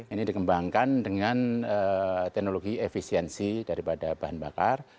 ini dikembangkan dengan teknologi efisiensi daripada bahan bakar